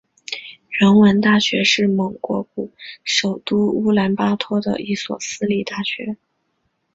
人文大学是蒙古国首都乌兰巴托的一所私立大学。